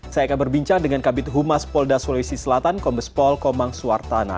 saya akan berbincang dengan kabit humas polda sulawesi selatan kombespol komang suartana